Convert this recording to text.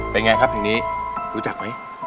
เป็นไงครับเพลงนี้รู้จักไหม